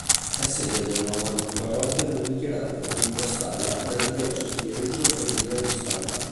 È sede dell'omonima parrocchia del vicariato di Guastalla della diocesi di Reggio Emilia-Guastalla.